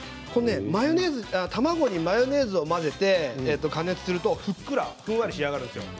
卵にマヨネーズを混ぜて加熱するとふっくらふんわり仕上がるんですよ。